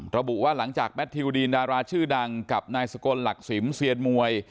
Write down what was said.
ระบุว่าหลังจากแมททิวดีนดาราชื่อดังกับนายสกลหลักสิมเซียนมวย